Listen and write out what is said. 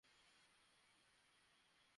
আমি জয়ী হবো।